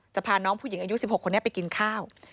พาน้องผู้หญิงอายุ๑๖คนนี้ไปกินข้าว